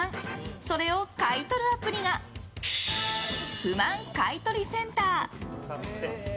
それを買い取るアプリが不満買取センター。